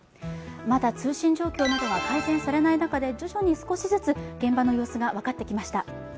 まだ通信状況などが改善されない中で徐々に少しずつ現場の様子が分かってきました。